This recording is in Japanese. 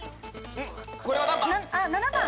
これは何番？